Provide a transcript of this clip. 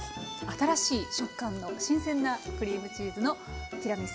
新しい食感の新鮮なクリームチーズのティラミスでした。